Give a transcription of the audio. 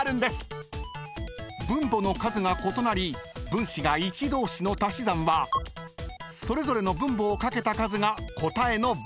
［分母の数が異なり分子が１同士の足し算はそれぞれの分母を掛けた数が答えの分母］